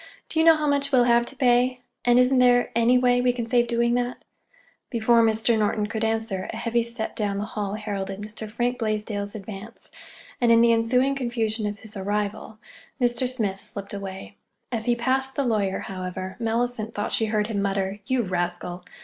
"Do you know how much we'll have to pay? And isn't there any way we can save doing that?" Before Mr. Norton could answer, a heavy step down the hall heralded Mr. Frank Blaisdell's advance, and in the ensuing confusion of his arrival, Mr. Smith slipped away. As he passed the lawyer, however, Mellicent thought she heard him mutter, "You rascal!"